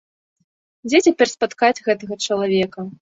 Дзе цяпер спаткаць гэтага чалавека?